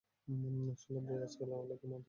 শোনলাম বাই আজকাল লোককে মদ খাইয়ে খুব নোট ছাপছেন।